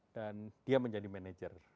dan dia menjadi manager